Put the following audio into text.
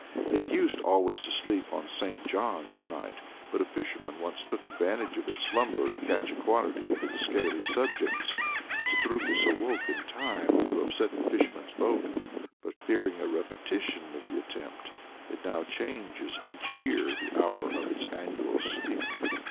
It used always to sleep on St. John's Night, but a fisherman once took advantage of its slumber to catch a quantity of its scaly subjects. Strukis awoke in time to upset the fisherman's boat; but fearing a repetition of the attempt, it now changes each year the hour of its annual sleep.